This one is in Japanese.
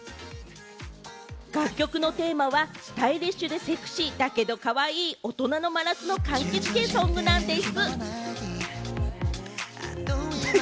楽曲のテーマはスタイリッシュでセクシーだけど、かわいい大人の真夏の柑橘系ソングなんでぃす。